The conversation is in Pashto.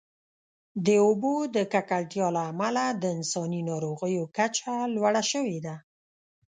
د اوبو د ککړتیا له امله د انساني ناروغیو کچه لوړه شوې ده.